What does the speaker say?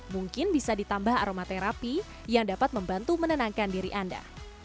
mungkin bisa ditambah aromaterapi yang dapat membantu menenangkan diri anda